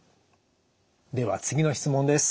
では次の質問です。